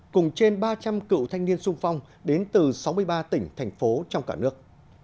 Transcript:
cùng trên ba trăm linh cựu thanh niên sung phong đến từ sáu mươi ba tỉnh thành phố trong cả nước